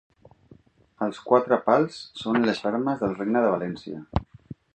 Els quatre pals són les armes del Regne de València.